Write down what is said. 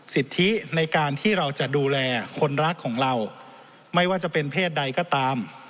สิทธิในการที่เราจะดูแลคนรักของเราไม่ว่าจะเป็นเพศใดก็ตาม